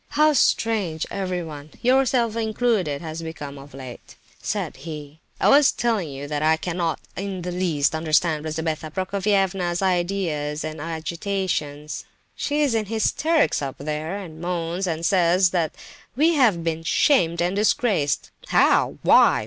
"How strange everyone, yourself included, has become of late," said he. "I was telling you that I cannot in the least understand Lizabetha Prokofievna's ideas and agitations. She is in hysterics up there, and moans and says that we have been 'shamed and disgraced.' How? Why?